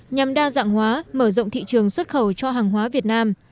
nhằm đa dạng hóa mở rộng thị trường xuất khẩu cho hàng hóa việt nam